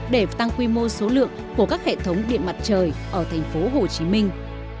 để tăng quy mô số lượng của các hệ thống điện mặt trời ở thành phố hồ chí minh